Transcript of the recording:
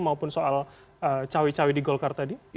maupun soal cawi cawi di golkar tadi